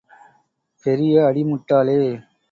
பெரிய அடி முட்டாளே!